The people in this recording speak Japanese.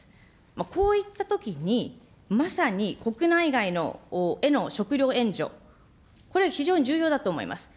こういったときに、まさに国内外への食料援助、これ、非常に重要だと思います。